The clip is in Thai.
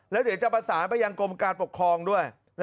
แล้วเดี๋ยวจะประสานไปยังกรมการปกครองด้วย